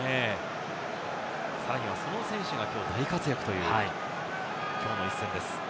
さらには、その選手がきょう大活躍というきょうの一戦です。